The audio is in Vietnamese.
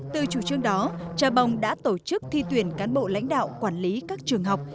từ chủ trương đó trà bồng đã tổ chức thi tuyển cán bộ lãnh đạo quản lý các trường học